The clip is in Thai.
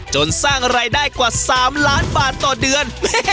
สร้างรายได้กว่า๓ล้านบาทต่อเดือน